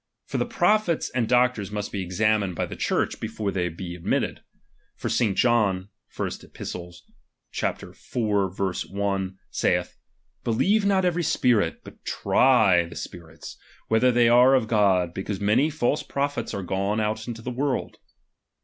For the prophets and doctors must be examined by the Church, before they be admitted. For St. John (lEpist.iv.l)saithi Believe not every spirit; but try the spirits, whether they are of God; because many ^alse prophets are gone out into the world.